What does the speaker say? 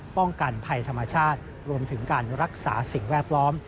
ป้องกันภัยธรรมชาติรวมถึงการรักษาสิ่งแวดล้อม